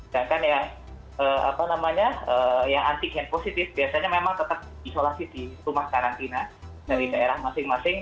sedangkan yang antigen positif biasanya memang tetap isolasi di rumah karantina dari daerah masing masing